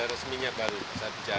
resmi pemerintah bagus pak